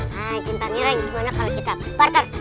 nah cinta ngerang gimana kalau kita partner